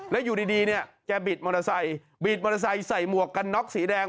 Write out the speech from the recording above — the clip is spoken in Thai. แล้วอยู่ดีเนี่ยแกบิดมอเตอร์ไซค์บีดมอเตอร์ไซค์ใส่หมวกกันน็อกสีแดง